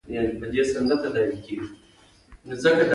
د ګاونډیانو حق په میوو کې شته.